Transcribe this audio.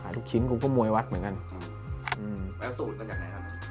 ขายลูกชิ้นกูก็มวยวัดเหมือนกันอืมแล้วสูตรเป็นยังไงครับ